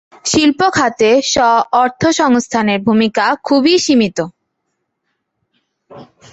শিল্পখাতে স্ব-অর্থসংস্থানের ভূমিকা খুবই সীমিত।